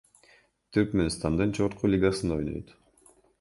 Түркмөнстандын жогорку лигасында ойнойт.